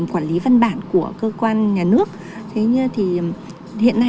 thì cán bộ thực hiện